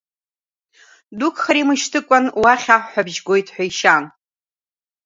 Дук хара имышьҭыкәан уахь аҳәҳәабжь гоит ҳәа ишьан.